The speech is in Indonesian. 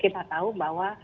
satu kita tahu bahwa